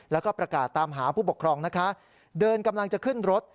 แล้วก็ประกาศตามหาผู้ปกครองนะคะเดินกำลังจะขึ้นรถ